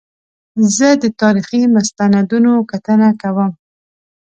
زه د تاریخي مستندونو کتنه کوم.